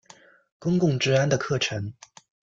公共治安的课程。